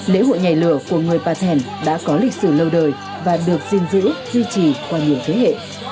lễ hội nhảy lửa của người bà thẻn đã có lịch sử lâu đời và được duy trì qua nhiều thế hệ